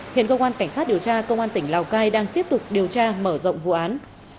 hiện cơ quan cảnh sát điều tra công an tỉnh lào cai đang tiếp tục điều tra mở rộng vụ án